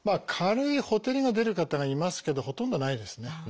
軽いほてりが出る方がいますけどほとんどないですね。